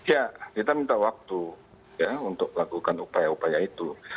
ya kita minta waktu ya untuk melakukan upaya upaya itu